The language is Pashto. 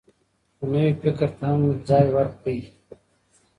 خو نوي فکر ته هم ځای ورکړئ.